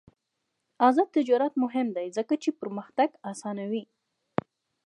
آزاد تجارت مهم دی ځکه چې پرمختګ اسانوي.